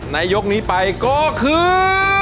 ยกนี้ไปก็คือ